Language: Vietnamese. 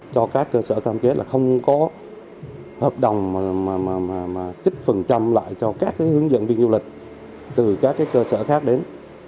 cho các cơ sở tham kết là không có hợp đồng mà chích phần trăm lại cho các hướng dẫn viên du lịch từ các cơ sở khác đến